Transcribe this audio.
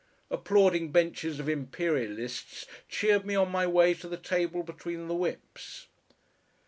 Applauding benches of Imperialists cheered me on my way to the table between the whips.